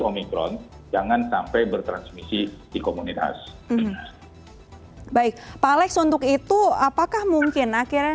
omicron jangan sampai bertransmisi di komunitas baik palaik untuk itu apakah mungkin akhirnya